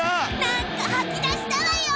なんかはき出したわよ。